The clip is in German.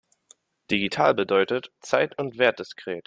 Digital bedeutet zeit- und wertdiskret.